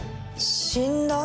死んだ？